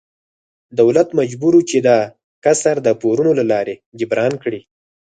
دولت مجبور و چې دا کسر د پورونو له لارې جبران کړي.